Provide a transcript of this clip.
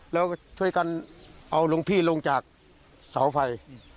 แล้วช่วยกันเอาหลวงพี่ลงจากเสาไฟ